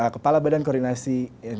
kepala badan koordinasi